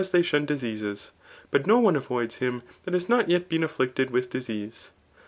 they sbui^ diseases i but oo one aproids him that ha|s not yet bee^ affiic^d widi disease.